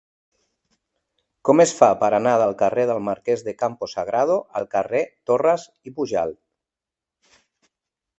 Com es fa per anar del carrer del Marquès de Campo Sagrado al carrer de Torras i Pujalt?